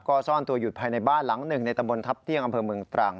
ก็ซ่อนตัวอยู่ภายในบ้านหลังหนึ่งในตำบลทัพเที่ยงอำเภอเมืองตรัง